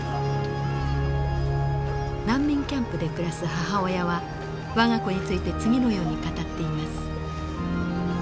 難民キャンプで暮らす母親は我が子について次のように語っています。